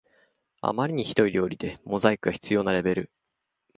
あまりにひどい料理でモザイクが必要なレベル